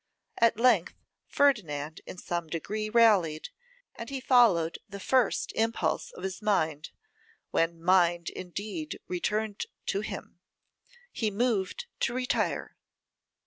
At length Ferdinand in some degree rallied, and he followed the first impulse of his mind, when mind indeed returned to him: he moved to retire.